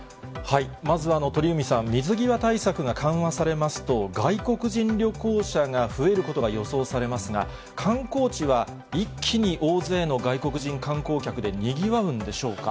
まず鳥海さん、水際対策が緩和されますと、外国人旅行者が増えることが予想されますが、観光地は一気に大勢の外国人観光客でにぎわうんでしょうか。